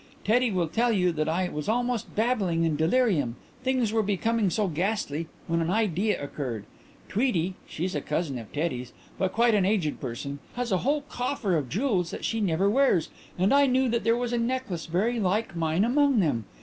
Teddy will tell you that I was almost babbling in delirium, things were becoming so ghastly, when an idea occurred. Tweety she's a cousin of Teddy's, but quite an aged person has a whole coffer full of jewels that she never wears and I knew that there was a necklace very like mine among them.